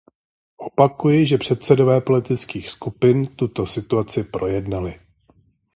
Opakuji, že předsedové politických skupin tuto situaci projednali.